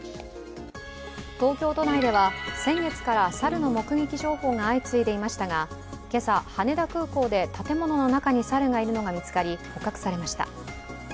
東京都内では先月から猿の目撃情報が相次いでいましたがけさ、羽田空港で建物の中に猿がいるのが見つかり捕獲されました。